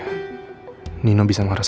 kau daleko lu ke recht